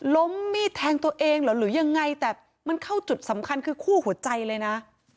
มีดแทงตัวเองเหรอหรือยังไงแต่มันเข้าจุดสำคัญคือคู่หัวใจเลยนะ